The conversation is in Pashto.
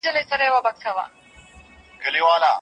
خپل توليدات بايد وکاروو.